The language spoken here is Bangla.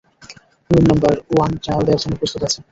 রুম নাম্বার ওয়ান ট্রায়াল দেওয়ার জন্য প্রস্তুত আছে।